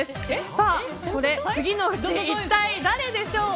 さあ、次のうち一体誰でしょう。